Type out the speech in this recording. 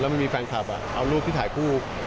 แล้วไม่มีแฟนคลับเอารูปที่ถ่ายกู้